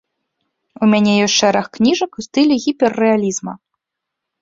У мяне ёсць шэраг кніжак у стылі гіперрэалізма.